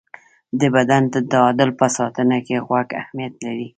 د بدن د تعادل په ساتنه کې غوږ اهمیت لري.